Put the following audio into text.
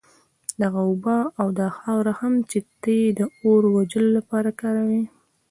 دغه اوبه او دا خاوره هم چي ته ئې د اور وژلو لپاره كاروې